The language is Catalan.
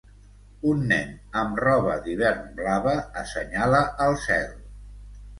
Un nen amb roba d'hivern blava assenyala al cel.